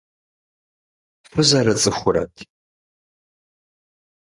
Фызэрыцӏыхурэт?